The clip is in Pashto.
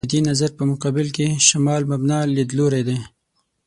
د دې نظر په مقابل کې «شمال مبنا» لیدلوری دی.